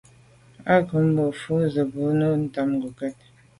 Á rə̌ bā mfū zə̄ bú fí nə̌ lǔ’ tɑ̂mə̀ ngokɛ́t.